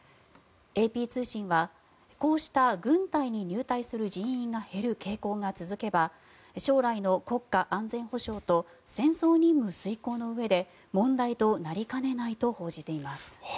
ＡＰ通信はこうした軍隊に入隊する人員が減る傾向が続けば将来の国家安全保障と戦争任務遂行のうえで問題となりかねないと報じています。